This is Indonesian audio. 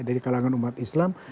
dari kalangan umat islam